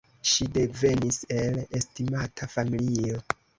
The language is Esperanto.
Ŝi devenis el estimata familio.